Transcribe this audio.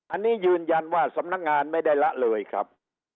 อันนี้ยืนยันว่าสำนักงานไม่ได้ละเลยครับ